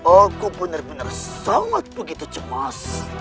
aku benar benar sangat begitu cemas